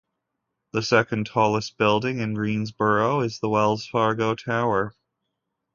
The second tallest building in Greensboro is the Wells Fargo Tower.